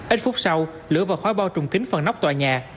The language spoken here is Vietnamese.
ít phút sau lửa và khói bao trùng kính phần nóc tòa nhà